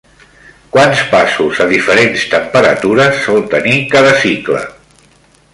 Quants passos a diferents temperatures sol tenir cada cicle?